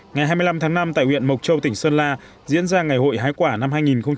ngày hai mươi năm tháng năm tại huyện mộc châu tỉnh sơn la diễn ra ngày hội hái quả năm hai nghìn một mươi chín